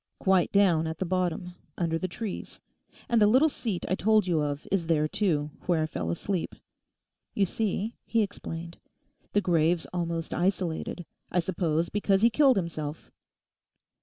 'Quite down at the bottom, under the trees. And the little seat I told you of is there, too, where I fell asleep. You see,' he explained, 'the grave's almost isolated; I suppose because he killed himself.